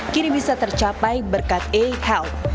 kini bisa tercapai berkat a health